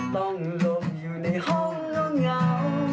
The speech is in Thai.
ต้องหลบอยู่ในห้องเหลือง่าว